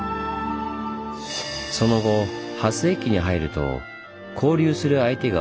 その後８世紀に入ると交流する相手が大きく変わります。